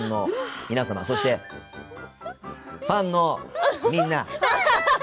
そして、ファンのみんな！